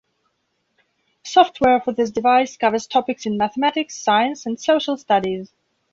Software for this device covers topics in mathematics, science, and social studies.